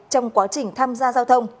trong quá trình tham gia giao thông